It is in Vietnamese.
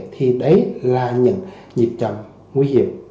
thì đấy là những nhiệp chậm nguy hiểm